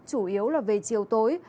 chủ yếu là về chiều tối